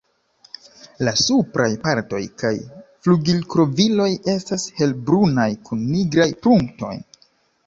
La supraj partoj kaj flugilkovriloj estas helbrunaj kun nigraj punktoj.